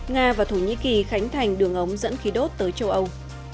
nga và thổ nhĩ kỳ khánh thành đường ống dẫn khí đốt tới châu âu